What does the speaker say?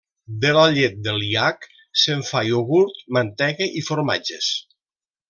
De la llet del iac, se'n fa iogurt, mantega i formatges.